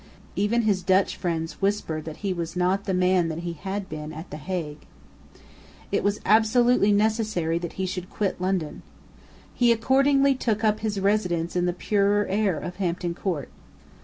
Even his Dutch friends whispered that he was not the man that he had been at the Hague. It was absolutely necessary that he should quit London. He accordingly took up his residence in the purer air of Hampton Court.